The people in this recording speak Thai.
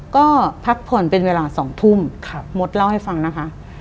ก็พักผ่อนเป็นเวลา๒ทุ่มมดเล่าให้ฟังนะคะ